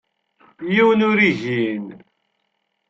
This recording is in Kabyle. Yiwen ur igin.